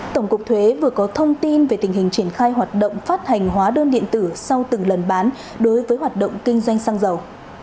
tổng cục thuế vừa có thông tin về tình hình triển khai hoạt động phát hành hóa đơn điện tử sau từng lần bán đối với hoạt động kinh doanh xăng dầu